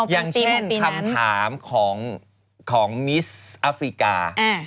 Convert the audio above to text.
อย่างเช่นคำถามของมิสอัฟริกา